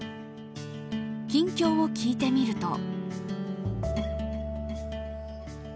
近況を聞いてみると。